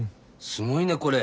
すごいねこれ。